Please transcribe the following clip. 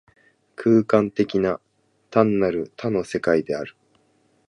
空間的な、単なる多の世界である。